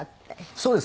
そうです。